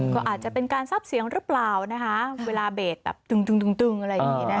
ก็อาจจะเป็นการซับเสียงหรือเปล่านะคะเวลาเบสแบบตึงอะไรอย่างนี้นะคะ